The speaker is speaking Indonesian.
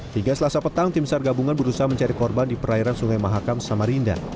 hingga selasa petang tim sar gabungan berusaha mencari korban di perairan sungai mahakam samarinda